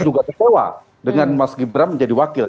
juga kecewa dengan mas gibran menjadi wakil